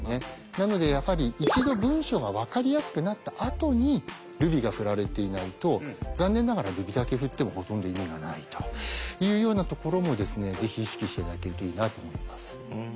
なのでやはり一度文章がわかりやすくなったあとにルビがふられていないと残念ながらルビだけふってもほとんど意味がないというようなところもぜひ意識して頂けるといいなと思います。